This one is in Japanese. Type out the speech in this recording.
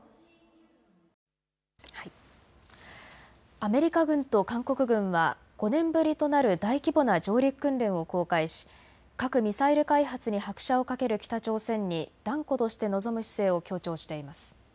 アメリカ軍と韓国軍は５年ぶりとなる大規模な上陸訓練を公開し核・ミサイル開発に拍車をかける北朝鮮に断固として臨む姿勢を強調しています。